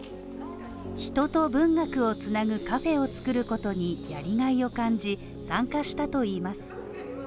人と文学をつなぐカフェを作ることにやりがいを感じ参加したといいます。